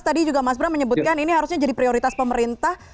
tadi juga mas bram menyebutkan ini harusnya jadi prioritas pemerintah